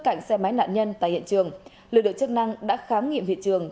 cạnh xe máy nạn nhân tại hiện trường lực lượng chức năng đã khám nghiệm hiện trường